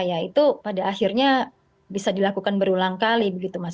ya itu pada akhirnya bisa dilakukan berulang kali begitu mas